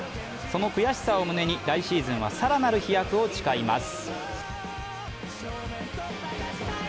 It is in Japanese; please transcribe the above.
その悔しさを胸に来シーズンは更なる飛躍を誓います。